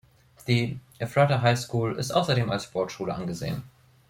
Die "Ephrata High School" ist außerdem als Sportschule angesehen.